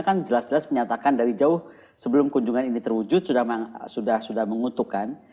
kan jelas jelas menyatakan dari jauh sebelum kunjungan ini terwujud sudah mengutuk kan